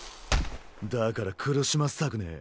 だから苦しませたくねぇ。